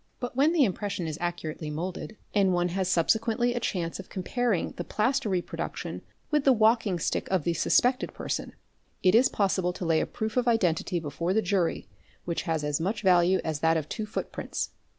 But when the impression is accurately moulded and one has subsequently a chance of comparing the plaster reproduction with the walking stick of the suspected person, it is possible to lay a proof of identity before the jury, which has as much value as that of two footprints.